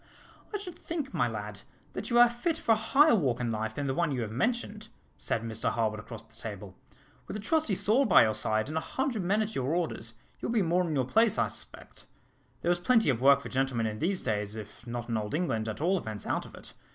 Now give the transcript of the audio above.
"I should think, my lad, that you are fit for a higher walk in life than the one you have mentioned," said Mr Harwood across the table. "With a trusty sword by your side, and a hundred men at your orders, you would be more in your place, I suspect. There is plenty of work for gentlemen in these days, if not in Old England, at all events out of it.